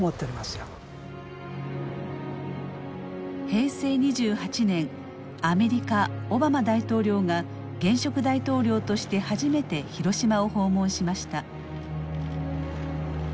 平成２８年アメリカオバマ大統領が現職大統領として初めて広島を訪問しました。